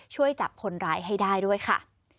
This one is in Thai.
ช่วยจับคนร้ายให้ได้ด้วยค่ะ